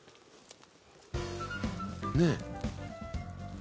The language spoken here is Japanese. ねえ。